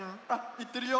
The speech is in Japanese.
いってるよ！